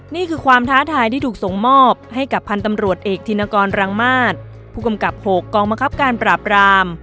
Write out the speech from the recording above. นี่คือความท้าทายที่ถูกส่งมอบให้กับพันธ์ตำรวจเอกธินกรรังมาตรผู้กำกับ๖กองบังคับการปราบราม